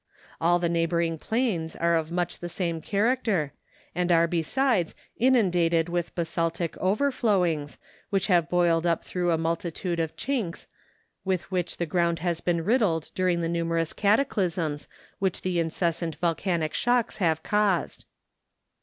All the neigh¬ bouring plains are of much the same character, and are besides inundated with basaltic overflowinsfs, which have boiled up through a multitude of chinks DISCOVERY OF AN ANCIENT VOLCANO. 273 with which the ground has been riddled during the numerous cataclysms which the incessant volcanic shocks have caused.